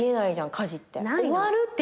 家事って。